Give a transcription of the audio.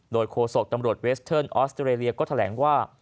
โดยโฆษกตำรวจเวสเทิร์นออสเตรเลียก็แถลงว่า